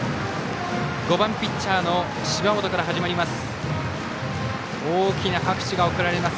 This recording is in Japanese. ５番、ピッチャーの芝本から始まります。